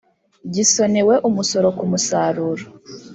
Gisonewe umusoro ku musaruro